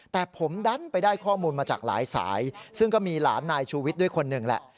แต่ผมดันไปได้ข้อมูลมาจากหลายสายซึ่งก็มีหลานนายชูวิทย์ด้วยคนหนึ่งแหละ